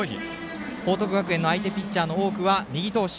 報徳学園の相手ピッチャーの多くは右投手。